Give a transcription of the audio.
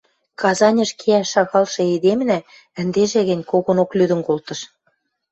Казаньыш кеӓш шагалшы эдемнӓ ӹндежӹ гӹнь когонок лӱдӹн колтыш.